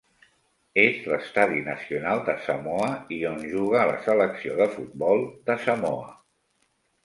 És l'estadi nacional de Samoa i on juga la selecció de futbol de Samoa.